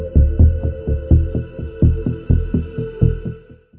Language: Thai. โปรดติดตามตอนต่อไป